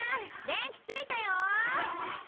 電気ついたよー！